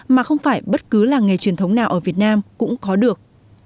mà không phải bất cứ làng nghề truyền thống nào ở việt nam cũng có được